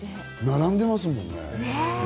並んでますもんね。